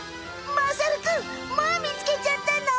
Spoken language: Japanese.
まさるくんもう見つけちゃったの？